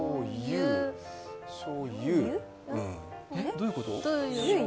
どういうこと？